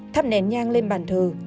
thắp nén nhang lên bàn thờ